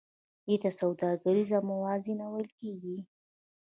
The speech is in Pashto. دې ته سوداګریزه موازنه ویل کېږي